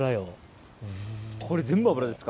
これ全部脂ですか？